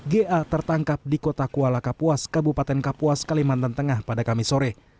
ga tertangkap di kota kuala kapuas kabupaten kapuas kalimantan tengah pada kamis sore